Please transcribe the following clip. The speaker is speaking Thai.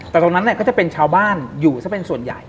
แต่ตรงนั้นก็จะเป็นชาวบ้านอยู่ซะเป็นส่วนใหญ่